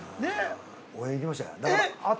◆応援に行きましたよ。